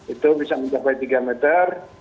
itu bisa mencapai tiga meter